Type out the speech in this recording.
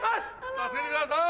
助けてください！